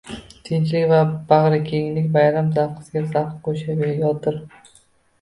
Tinchlik va bag‘rikenglik bayram zavqiga zavq qo‘shayotir